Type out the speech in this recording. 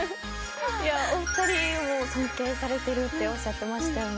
お二人も尊敬されてるっておっしゃってましたよね。